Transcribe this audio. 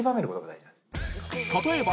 例えば